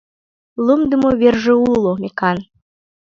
Лумдымо верже уло, мекан.